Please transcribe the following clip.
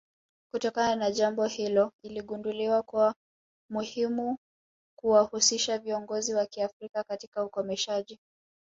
Kutokana na jambo hilo iligunduliwa kuwa muhimu kuwahusisha viongozi wa Kiafrika katika ukomeshaji